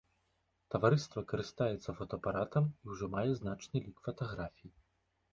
Таварыства карыстаецца фотаапаратам і ўжо мае значны лік фатаграфій.